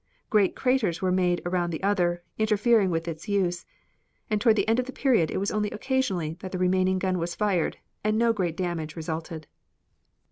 Great craters were made around the other, interfering with its use, and toward the end of the period it was only occasionally that the remaining gun was fired, and no great damage resulted.